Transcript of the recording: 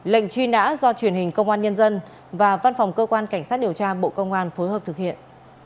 lệnh truy nã do truyền hình công an nhân dân và văn phòng cơ quan cảnh sát điều tra bộ công an phối hợp thực hiện